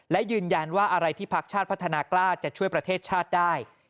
และยืนยันว่าอะไรที่พักชาติพัฒนากล้าจะช่วยประเทศชาติได้